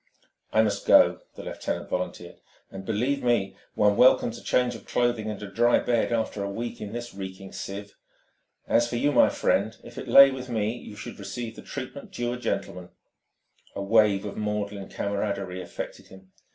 "I must go," the lieutenant volunteered. "And believe me, one welcomes a change of clothing and a dry bed after a week in this reeking sieve. As for you, my friend, if it lay with me, you should receive the treatment due a gentleman." A wave of maudlin camaraderie affected him.